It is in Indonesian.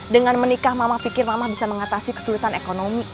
dengan menikah mama pikir mamah bisa mengatasi kesulitan ekonomi